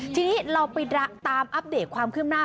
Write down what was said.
ทีนี้เราไปตามอัปเดตความคืบหน้า